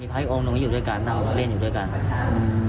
มีพระอุงโรงอยู่ด้วยกันเราเล่นอยู่ด้วยกันอืม